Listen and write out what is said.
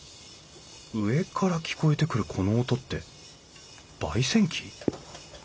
上から聞こえてくるこの音ってばい煎機？